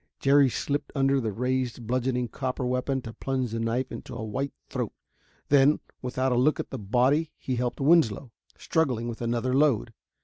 Jerry slipped under the raised bludgeoning copper weapon to plunge the knife into a white throat. Then, without a look at the body he helped Winslow, struggling with another load.